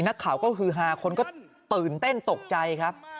นักข่าวก็ฮือฮาคนก็ตื่นเต้นตกใจครับ